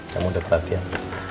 kamu udah perhatian